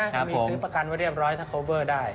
มีซื้อประกันว่าเรียบร้อยถ้าเค้าเบอร์ได้